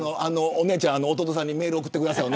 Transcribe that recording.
お姉ちゃん、弟さんにメール送ってください。